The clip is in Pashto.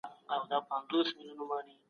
سیاسي پوهه د هر ځوان لپاره لازمه ده.